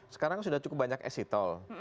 sekarang sudah cukup banyak exit tol